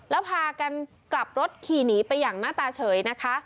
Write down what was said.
แล้วพากันกลับรถขี่หนีไปอย่างหน้าตาเฉยนะคะ